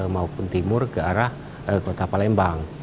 maupun timur ke arah kota palembang